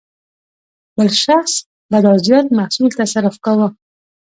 بل شخص به دا زیات محصول تصرف کاوه.